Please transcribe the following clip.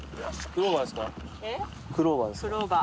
クローバーですか？